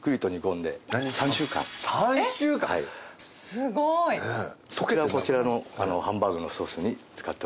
すごい！そちらをこちらのハンバーグのソースに使っております。